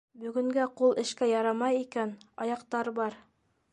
Бөгөнгә ҡул эшкә ярамай икән, аяҡтар бар.